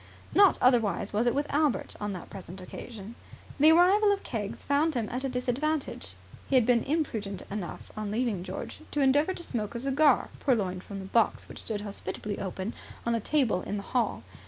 Not otherwise was it with Albert on that present occasion. The arrival of Keggs found him at a disadvantage. He had been imprudent enough, on leaving George, to endeavour to smoke a cigar, purloined from the box which stood hospitably open on a table in the hall.